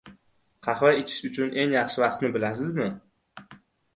Qahva ichish uchun eng yaxshi vaqtni bilasizmi?